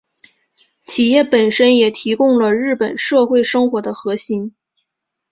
企业本身也提供了日本社会生活的核心。